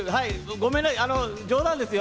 ごめんな冗談ですよ。